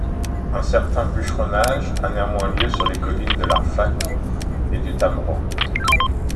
Un certain bûcheronnage a néanmoins lieu sur les collines de l’Arfak et du Tamrau.